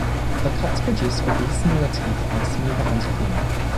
The cuts produced for these smaller teeth are smoother and cleaner.